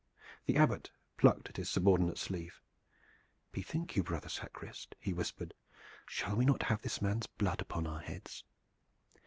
The Abbot plucked at his subordinate's sleeve. "Bethink you, brother sacrist," he whispered, "shall we not have this man's blood upon our heads?"